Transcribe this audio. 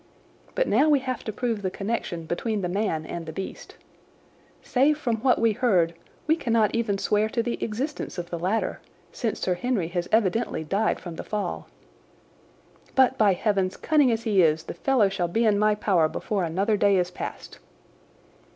But now we have to prove the connection between the man and the beast. Save from what we heard, we cannot even swear to the existence of the latter, since Sir Henry has evidently died from the fall. But, by heavens, cunning as he is, the fellow shall be in my power before another day is past!"